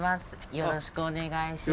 よろしくお願いします。